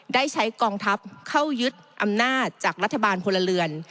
ได้ใช้กองทัพเข้ายึดอำนาจจากรัฐบาลพลเรือน